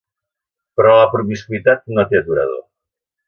Però la promiscuïtat no té aturador.